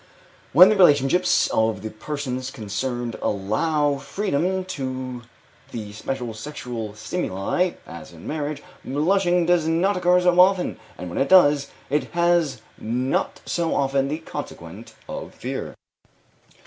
When the relationships of the persons concerned allow freedom to the special sexual stimuli, as in marriage, blushing does not occur so often, and when it does it has not so often the consequent of fear."